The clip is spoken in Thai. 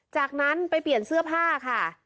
จากนั้นไปเปลี่ยนเสื้อผ้าค่ะ